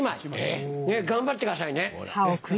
えっ？頑張ってくださいね。